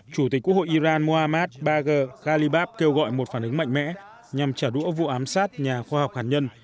chủ tịch quốc hội iran mohammad bager galibab kêu gọi một phản ứng mạnh mẽ nhằm trả đũa vụ ám sát nhà khoa học hạt nhân